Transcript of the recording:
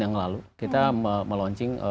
yang lalu kita melunching